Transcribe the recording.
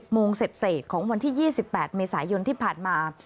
โมงเสร็จของวันที่๒๘เมษายนที่ผ่านมา